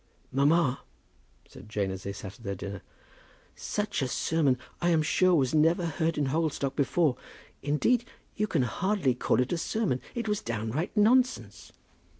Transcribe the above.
"Mamma," said Jane, as they sat at their dinner, "such a sermon I am sure was never heard in Hogglestock before. Indeed, you can hardly call it a sermon. It was downright nonsense."